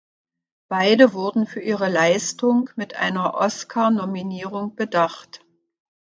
Beide wurden für ihre Leistung mit einer Oscarnominierung bedacht.